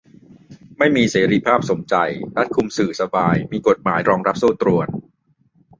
ไม่มีเสรีภาพสมใจ รัฐคุมสื่อสบาย มีกฎหมายรองรับโซ่ตรวน